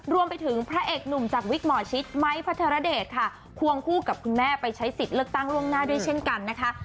รวมไปถึงพระเอกหนุ่มจากวิกหมอชิดไม้พัทรเดชค่ะควงคู่กับคุณแม่ไปใช้สิทธิ์เลือกตั้งล่วงหน้าด้วยเช่นกันนะคะ